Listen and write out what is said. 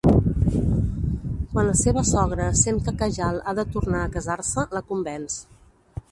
Quan la seva sogra sent que Kajal ha de tornar a casar-se, la convenç.